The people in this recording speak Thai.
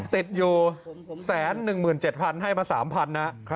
ติดอยู่๑๑๗๐๐ให้มา๓๐๐นะ